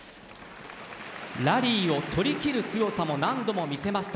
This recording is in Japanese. ラリーを取りきる強さも何度も見せました。